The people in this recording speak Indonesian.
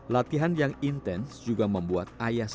latihan yang intens juga membuat ayas